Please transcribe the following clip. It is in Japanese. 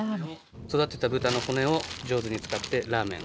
育てた豚の骨を上手に使ってラーメンを。